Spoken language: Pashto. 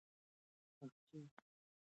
هغه چې اور يې بل کړ، ولاړ.